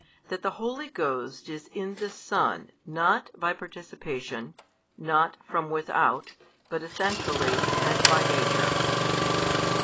That the Holy Ghost is in the Son not by participation, not from without, but Essentially and by Nature.